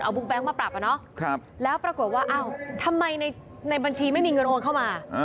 บุ๊คมาปรับแล้วปรากฏว่าอ้าวทำไมในบัญชีไม่มีเงินโอนเข้ามา